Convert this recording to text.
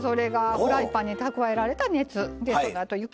フライパンに蓄えられた熱